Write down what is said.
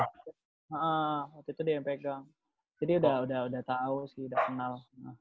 waktu itu dia yang pegang jadi udah tahu sih udah kenal